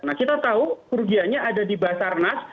nah kita tahu kerugiannya ada di basarnas